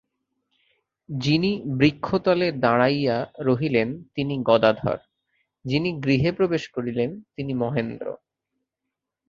যিনি বৃক্ষতলে দাঁড়াইয়া রহিলেন তিনি গদাধর, যিনি গৃহে প্রবেশ করিলেন তিনি মহেন্দ্র।